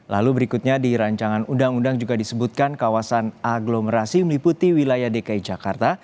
lalu berikutnya di rancangan undang undang juga disebutkan kawasan aglomerasi meliputi wilayah dki jakarta